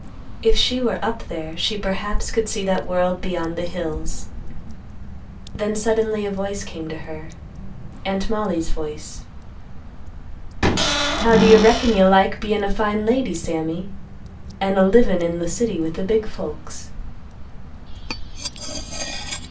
If she were up there she perhaps could see that world beyond the hills. Then suddenly a voice came to her, Aunt Mollie's voice, "How do you reckon you'll like bein' a fine lady, Sammy, and a livin' in the city with the big folks?"